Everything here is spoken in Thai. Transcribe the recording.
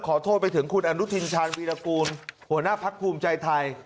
ขอโทษไปถึงคุณอนุทินชาญวีรกูลหัวหน้าพักภูมิใจไทย